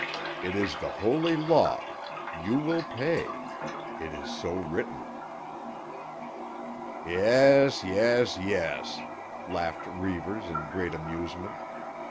It is the holy law; you will pay. It is so written." "Yes, yes, yes!" laughed Reivers in great amusement.